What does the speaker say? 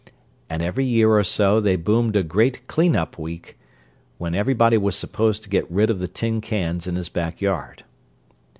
And every year or so they boomed a great Clean up Week, when everybody was supposed to get rid of the tin cans in his backyard.